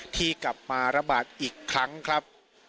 ที่กลับมาระบาดอีกครั้งครับ